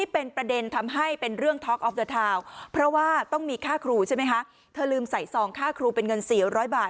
เพราะว่าต้องมีค่าครูใช่ไหมฮะเธอลืมใส่ซองค่าครูเป็นเงิน๔๐๐บาท